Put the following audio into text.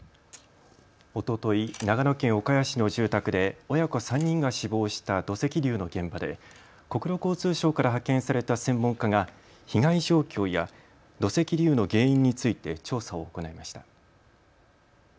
おととい、長野県岡谷市の住宅で親子３人が死亡した土石流の現場で国土交通省から派遣された専門家が被害状況や土石流の原因について調査を行いました。